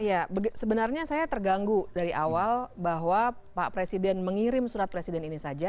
ya sebenarnya saya terganggu dari awal bahwa pak presiden mengirim surat presiden ini saja